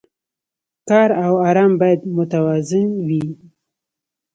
کار او ارام باید متوازن وي.